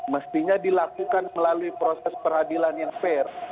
mestinya dilakukan melalui proses peradilan yang fair